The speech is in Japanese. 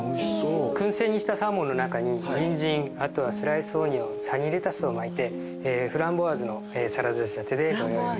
薫製にしたサーモンの中にニンジンあとはスライスオニオンサニーレタスを巻いてフランボワーズのサラダ仕立てで。